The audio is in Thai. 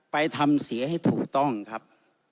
ไปทำเสียให้ถูกต้องครับ